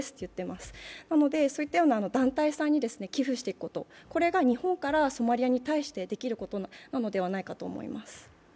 ですので、そういったような団体さんに寄付していくことが日本からソマリアに対してできることなのではないかと思います。